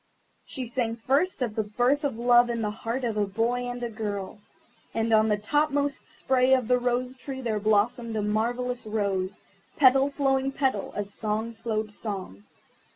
She sang first of the birth of love in the heart of a boy and a girl. And on the top most spray of the Rose tree there blossomed a marvellous rose, petal following petal, as song followed song.